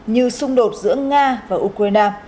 như xung đột giữa nga và ukraine